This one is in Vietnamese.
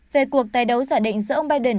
về cuộc tài đấu giả định giữa ông biden